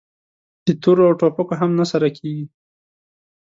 د تورو او ټوپکو هم نه سره کېږي!